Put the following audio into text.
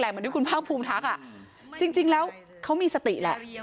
เหมือนที่คุณภาคภูมิทักอ่ะจริงแล้วเขามีสติแหละ